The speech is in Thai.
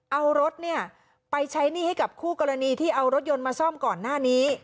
เอารถเนี่ยไปใช้หนี้ให้กับคู่กรณีที่เอารถยนต์มาซ่อมก่อนหน้านี้